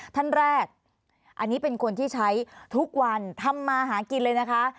ท่านแรกอันนี้เป็นคนที่ใช้ทุกวันทำมาหากินเลยนะคะ